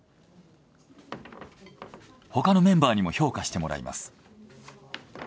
他のメンバーにも評価してもらいます。